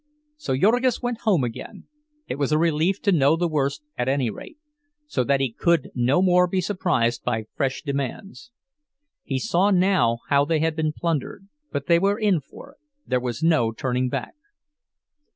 So Jurgis went home again; it was a relief to know the worst, at any rate, so that he could no more be surprised by fresh demands. He saw now how they had been plundered; but they were in for it, there was no turning back.